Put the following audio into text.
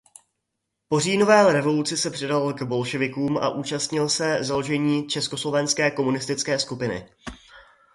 Po říjnové revoluci se přidal k bolševikům a účastnil se založení československé komunistické skupiny.